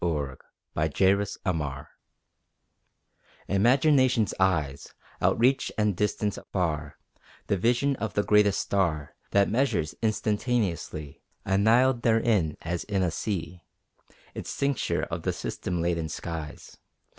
ODE ON IMAGINATION Imagination's eyes Outreach and distance far The vision of the greatest star That measures instantaneously Enisled therein as in a sea Its cincture of the system laden skies.